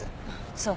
そう。